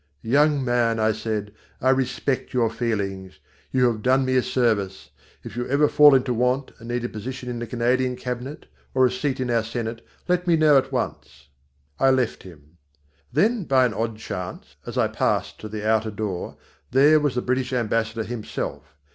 "Young man," I said, "I respect your feelings. You have done me a service. If you ever fall into want and need a position in the Canadian Cabinet, or a seat in our Senate, let me know at once." I left him. Then by an odd chance, as I passed to the outer door, there was the British Ambassador himself.